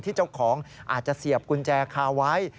เจ้าของอาจจะเสียบกุญแจคาไว้